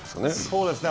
そうですね。